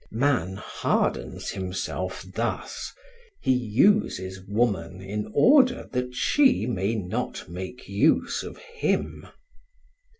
Man hardens himself thus: he uses woman in order that she may not make use of him.